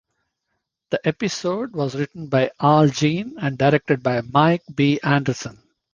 The episode was written by Al Jean and directed by Mike B. Anderson.